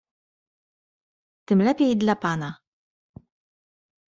"Tym lepiej dla pana."